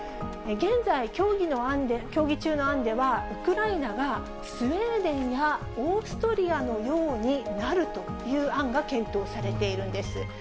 現在、協議中の案では、ウクライナがスウェーデンやオーストリアのようになるという案が検討されているんです。